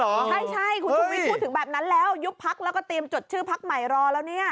ใช่คุณชูวิทย์พูดถึงแบบนั้นแล้วยุบพักแล้วก็เตรียมจดชื่อพักใหม่รอแล้วเนี่ย